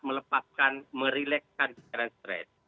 melepaskan merilekskan pikiran stress